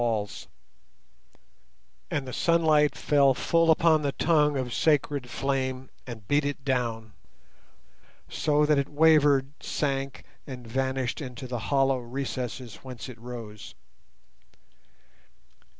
And now the flower altar was open, and the sunlight fell full upon the tongue of sacred flame and beat it down, so that it wavered, sank, and vanished into the hollow recesses whence it rose.